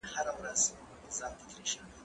زه بايد چپنه پاک کړم؟!